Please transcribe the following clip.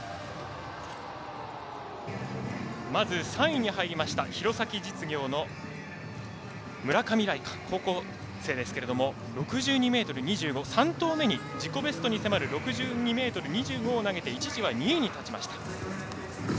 まず３位に入りました弘前実業の村上来花、高校生ですけれども６２ｍ２５、３投目に自己ベストに迫る６２ｍ２５を投げて一時は２位に立ちました。